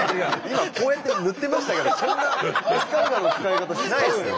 今こうやって塗ってましたけどそんなエスカルゴの使い方しないですよ。